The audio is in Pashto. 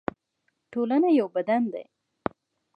ټولنه یو بدن دی